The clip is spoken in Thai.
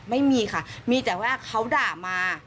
ไม่มีค่ะมีแต่ว่าเขาด่ามา